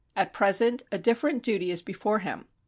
At present a different duty is before him.